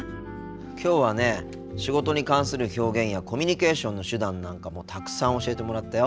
きょうはね仕事に関する表現やコミュニケーションの手段なんかもたくさん教えてもらったよ。